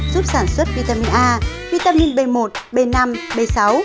giúp sản xuất vitamin a vitamin b một b năm b sáu